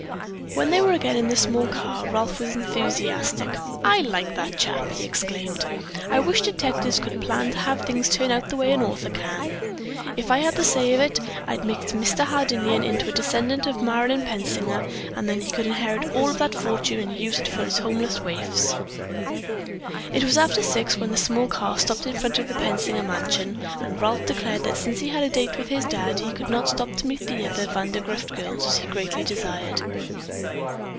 When they were again in the small car, Ralph was enthusiastic. "I like that chap!" he exclaimed. "I wish detectives could plan to have things turn out the way an author can. If I had the say of it, I'd make Mr. Hardinian into a descendant of Marilyn Pensinger and then he could inherit all of that fortune and use it for his homeless waifs." It was after six when the small car stopped in front of the Pensinger mansion, and Ralph declared that since he had a date with his dad, he could not stop to meet the other Vandergrift girls, as he greatly desired.